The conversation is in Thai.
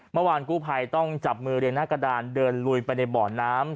เมื่อวานกู้ภัยต้องจับมือเรียงหน้ากระดานเดินลุยไปในบ่อน้ำ